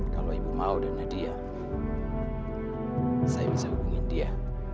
kalau ibu mau dengan nadia saya bisa hubungi dia